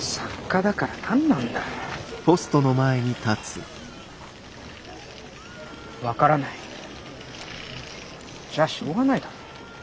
分からないじゃあしょうがないだろ。